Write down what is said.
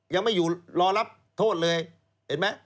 ยังไม่อยู่รอรับโทษเลยเห็นไหม